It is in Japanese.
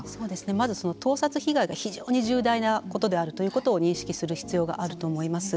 まず盗撮被害が非常に重大なことであるということを認識する必要があると思います。